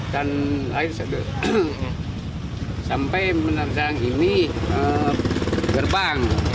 dan air sampai menandang ini gerbang